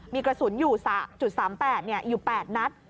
มีกระสุนอยู่๓๘อยู่๘นัด